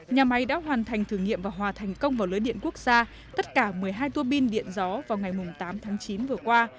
nhà máy đã hoàn thành thử nghiệm và hòa thành công vào lưới điện quốc gia tất cả một mươi hai tuô bin điện gió vào ngày tám tháng chín vừa qua